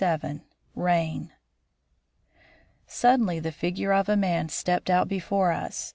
XXVII RAIN Suddenly the figure of a man stepped out before us.